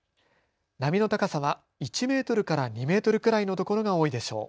波の高さは１メートルから２メートルくらいのところが多いでしょう。